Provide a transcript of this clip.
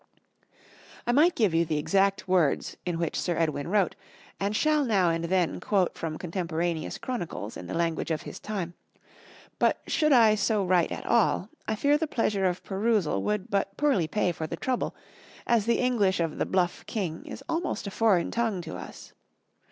I might give you the exact words in which Sir Edwin wrote, and shall now and then quote from contemporaneous chronicles in the language of his time, but should I so write at all, I fear the pleasure of perusal would but poorly pay for the trouble, as the English of the Bluff King is almost a foreign tongue to us.